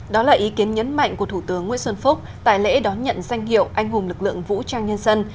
đó là ý kiến nhấn mạnh của thủ tướng nguyễn xuân phúc tại lễ đón nhận danh hiệu anh hùng lực lượng vũ trang nhân dân